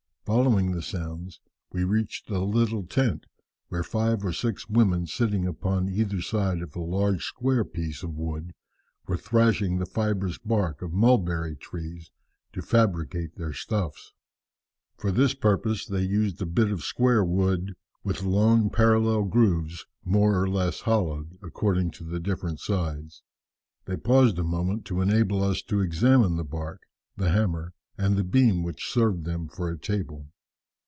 Following the sounds, we reached a little tent, where five or six women sitting upon either side of a large square piece of wood, were thrashing the fibrous bark of mulberry trees to fabricate their stuffs. For this purpose they used a bit of square wood, with long parallel grooves more or less hollowed, according to the different sides. They paused a moment to enable us to examine the bark, the hammer, and the beam which served them for a table.